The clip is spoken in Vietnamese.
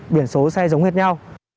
biển số xe giống hết nhau